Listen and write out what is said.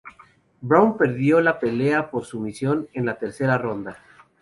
Brown perdió la pelea por sumisión en la tercera ronda.